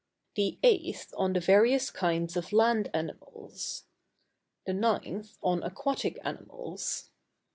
The 8th on the various kinds of Land Animals. The 9th on Aquatic Animals.